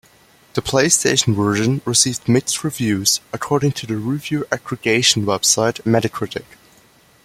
The PlayStation version received "mixed" reviews according to the review aggregation website Metacritic.